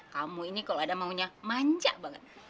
kamu ini kalau ada maunya manja banget